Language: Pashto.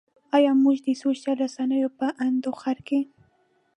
ایا موږ د سوشل رسنیو په انډوخر کې.